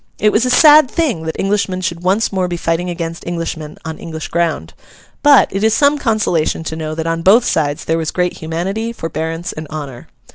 It was a sad thing that Englishmen should once more be fighting against Englishmen on English ground; but, it is some consolation to know that on both sides there was great humanity, forbearance, and honour.